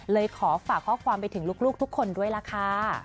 เลยขอฝากข้อความไปถึงลูกทุกคนด้วยล่ะค่ะ